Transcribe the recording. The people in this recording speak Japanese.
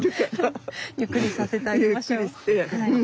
ゆっくりさせてあげましょう。